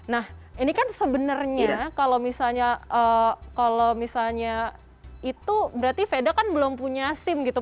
nah ini kan sebenarnya kalau misalnya itu berarti veda kan belum punya sim gitu